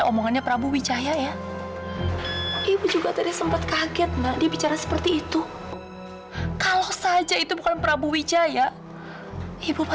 sampai jumpa di video selanjutnya